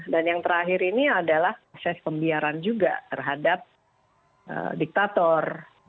dan yang terakhir ini adalah proses pembiaran juga terhadap diktator